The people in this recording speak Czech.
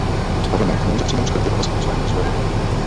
Parlament nemůže přijmout škrty v oblasti financování rozvoje venkova.